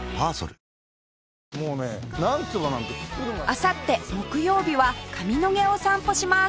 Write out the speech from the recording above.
あさって木曜日は上野毛を散歩します